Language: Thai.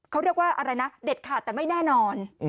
เขาเรียกว่าอะไรนะเด็ดขาดแต่ไม่แน่นอน